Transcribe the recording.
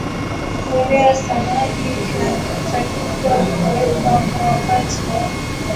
mbolea ya samadi inatakiwa kuwekwa kwa wakati na kiasi kilichoelekezwa